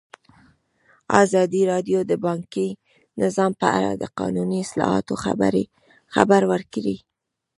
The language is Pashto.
ازادي راډیو د بانکي نظام په اړه د قانوني اصلاحاتو خبر ورکړی.